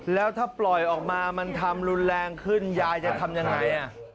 แล้วถ้าปล่อยออกมามันทำรุนแรงขึ้นยายจะทำยังไง